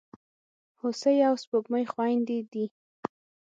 هوسۍ او سپوږمۍ خوېندي دي.